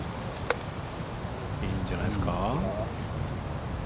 いいんじゃないですか。